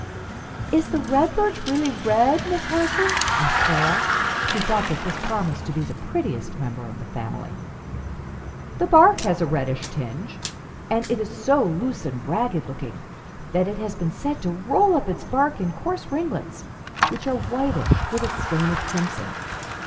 "Is the red birch really red, Miss Harson?" asked Clara, who thought that this promised to be the prettiest member of the family. "The bark has a reddish tinge, and it is so loose and ragged looking that it has been said to roll up its bark in coarse ringlets, which are whitish with a stain of crimson.